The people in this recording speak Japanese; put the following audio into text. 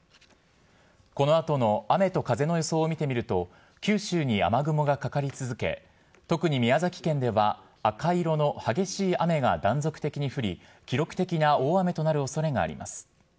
このあとの雨と風の予想を見てみると、九州に雨雲がかかり続け、特に宮崎県では赤色の激しい雨が断続的に降り、記録的な大雨となるおそれがあります。